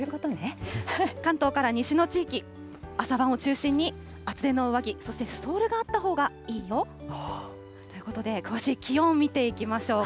関東から西の地域、朝晩を中心に、厚手の上着、そしてストールがあったほうがいいよ。ということで、詳しい気温を見ていきましょう。